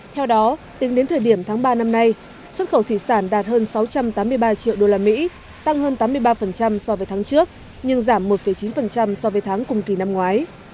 theo đó tính đến thời điểm tháng ba năm nay xuất khẩu thủy sản đạt hơn sáu trăm tám mươi ba triệu usd tăng hơn tám mươi ba so với tháng trước nhưng giảm một chín so với tháng cùng kỳ năm ngoái